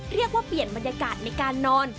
เรียกว่าเปลี่ยนบรรยากาศในการนอน